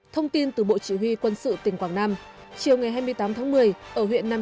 thông tin từ bộ chỉ huy quân sự tỉnh quảng nam